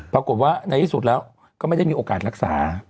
ปรากฏว่าในที่สุดแล้วก็ไม่ได้มีโอกาสรักษา